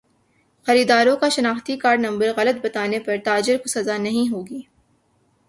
خریداروں کا شناختی کارڈ نمبر غلط بتانے پر تاجر کو سزا نہیں ہوگی